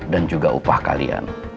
dan juga upah kalian